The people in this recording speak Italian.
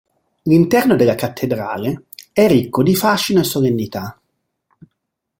L'interno della cattedrale è ricco di fascino e solennità.